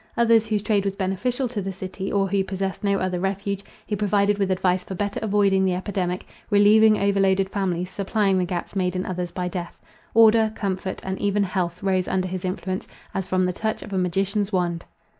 Others, whose trade was beneficial to the city, or who possessed no other refuge, he provided with advice for better avoiding the epidemic; relieving overloaded families, supplying the gaps made in others by death. Order, comfort, and even health, rose under his influence, as from the touch of a magician's wand.